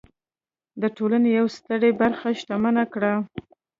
د ټولنې یوه ستره برخه شتمنه کړه.